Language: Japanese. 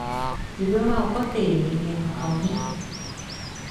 自分は怒っている人間の顔に、